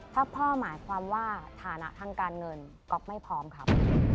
ถ้าพ่อหมายความว่าฐานะทางการเงินก๊อฟไม่พร้อมครับ